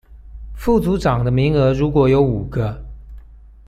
副組長的名額如果有五個